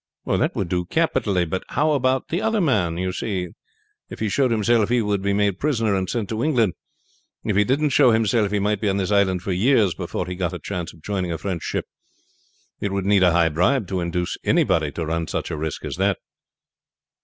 "That would do capitally. But how about the other man? You see, if he showed himself he would be made prisoner and sent to England; if he didn't show himself he might be on this island for years before he got a chance of joining a French ship. It would need a high bribe to induce anybody to run such a risk as that."